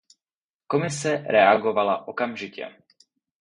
Komise reagovala okamžitě.